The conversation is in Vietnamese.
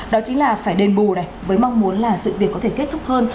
đó chính là phải đền bù này với mong muốn là sự việc có thể kết thúc hơn